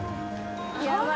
やばい。